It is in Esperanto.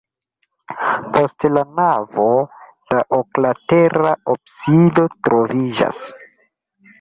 Post la navo la oklatera absido troviĝas.